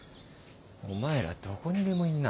お前らどこにでもいるな。